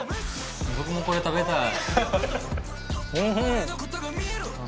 僕もこれ食べたい。